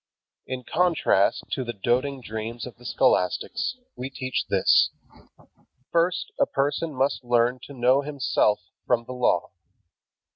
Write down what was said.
In contrast to the doting dreams of the scholastics, we teach this: First a person must learn to know himself from the Law.